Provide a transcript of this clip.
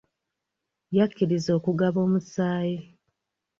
Yakkirizza okugaba omusaayi.